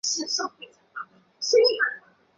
路线持续延伸至卷扬机后的马型雕塑旁为止。